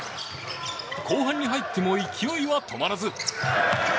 後半に入っても勢いは止まらず。